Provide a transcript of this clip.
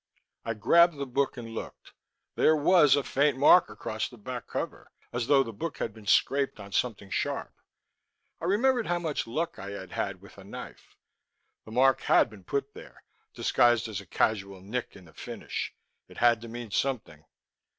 I grabbed the book and looked. There was a faint mark across the back cover, as though the book had been scraped on something sharp. I remembered how much luck I had had with a knife. The mark had been put here, disguised as a casual nick in the finish. It had to mean something.